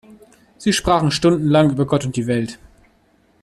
Sie sprachen stundenlang über Gott und die Welt.